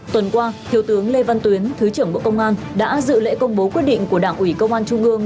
tuần qua thiếu tướng lê văn tuyến thứ trưởng bộ công an đã dự lễ công bố quyết định của đảng ủy công an trung ương